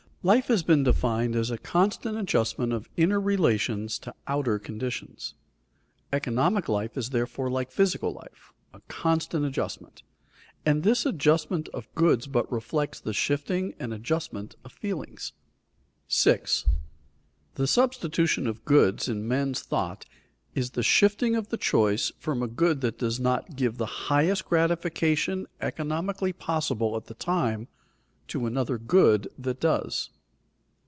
Life has been defined as a constant adjustment of inner relations to outer conditions. Economic life is therefore like physical life, a constant adjustment; and this adjustment of goods but reflects the shifting and adjustment of feelings. [Sidenote: Choice is constantly shifting] 6. _The substitution of goods in men's thought is the shifting of the choice from a good that does not give the highest gratification economically possible at the time, to another good that does.